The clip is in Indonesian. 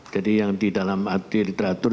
jadi yang di dalam arti literatur